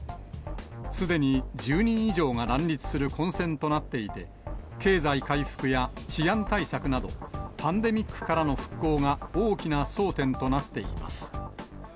すでに１０人以上が乱立する混戦となっていて、経済回復や治安対策など、パンデミックからの復興が大きな争点となっています。